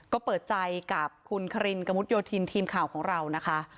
ก็เปิดใจกับคุณคารินกระมุดโยธินทีมข่าวของเรานะคะ